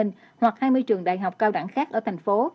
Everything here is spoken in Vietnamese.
hoặc hai mươi trường đại học cao đẳng khác ở thành phố